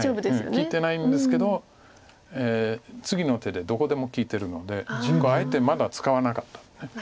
利いてないんですけど次の手でどこでも利いてるのでここあえてまだ使わなかった。